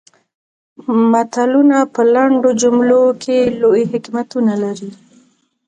متلونه په لنډو جملو کې لوی حکمتونه لري